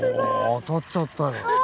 当たっちゃったよ。